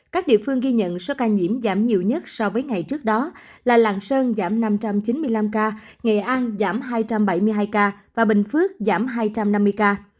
các địa phương ghi nhận số ca nhiễm giảm nhiều nhất so với ngày trước đó là lạng sơn giảm năm trăm chín mươi năm ca nghệ an giảm hai trăm bảy mươi hai ca và bình phước giảm hai trăm năm mươi ca